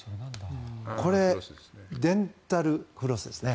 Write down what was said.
これ、デンタルフロスですね。